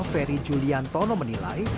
ferry julian tono menilai